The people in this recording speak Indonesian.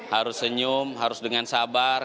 harus senyum harus dengan sabar